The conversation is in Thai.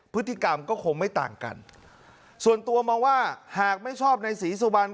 พฤติกรรมก็คงไม่ต่างกันส่วนตัวมองว่าหากไม่ชอบในศรีสุวรรณ